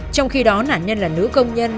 trong khi đó nạn nhân là nữ công nhân